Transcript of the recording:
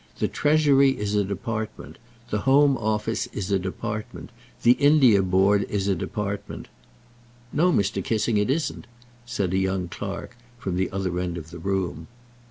The Treasury is a department; the Home Office is a department; the India Board is a department " "No, Mr. Kissing, it isn't," said a young clerk from the other end of the room.